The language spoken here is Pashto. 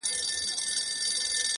د عمل نیت د پایلې کیفیت ټاکي،